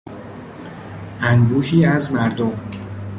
انبوهی از مردم